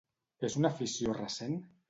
És una afició recent?